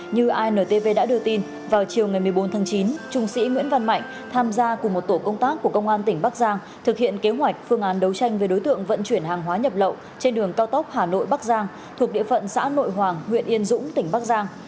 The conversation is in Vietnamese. như intv đã đưa tin vào chiều ngày một mươi bốn tháng chín trung sĩ nguyễn văn mạnh tham gia cùng một tổ công tác của công an tỉnh bắc giang thực hiện kế hoạch phương án đấu tranh với đối tượng vận chuyển hàng hóa nhập lậu trên đường cao tốc hà nội bắc giang thuộc địa phận xã nội hoàng huyện yên dũng tỉnh bắc giang